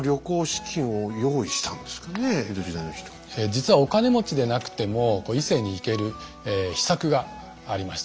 実はお金持ちでなくても伊勢に行ける秘策がありました。